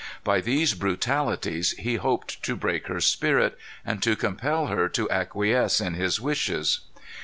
By these brutalities he hoped to break her spirit, and to compel her to acquiesce in his wishes.